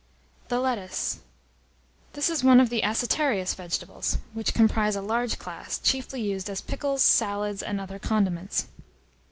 ] THE LETTUCE. This is one of the acetarious vegetables, which comprise a large class, chiefly used as pickles, salads, and other condiments.